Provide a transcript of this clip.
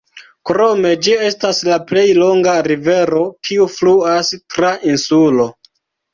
Krome ĝi estas la plej longa rivero kiu fluas tra insulo.